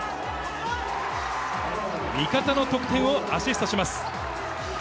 味方の得点をアシストします。